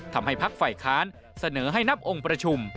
พักฝ่ายค้านเสนอให้นับองค์ประชุม